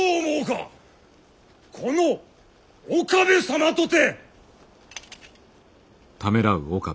この岡部様とて！